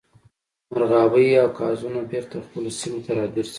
مرغابۍ او قازونه بیرته خپلو سیمو ته راګرځي